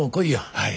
はい。